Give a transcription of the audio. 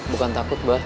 bukan takut mbah